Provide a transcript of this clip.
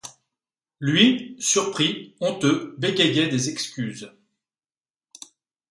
Lui, surpris, honteux, bégayait des excuses.